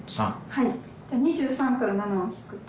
はい２３から７を引くと？